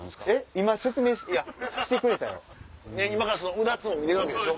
今からうだつ見れるわけでしょ。